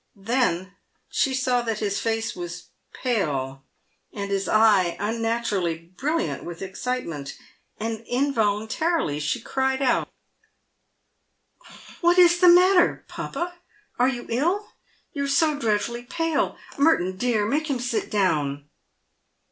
Then she saw that his face was pale, and his eye unnaturally brilliant with excitement, and involun tarily she cried out, " What is the matter, papa ? Are you ill ? You are so dreadfully pale ! Merton, dear, make him sit down."